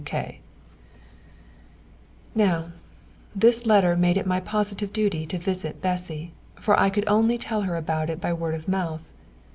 W. K." Now, this letter made it my positive duty to visit Bessy, for I could only tell her about it by word of mouth.